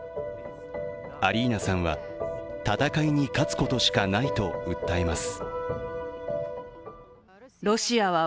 アリーナさんは戦いに勝つことしかないと訴えます。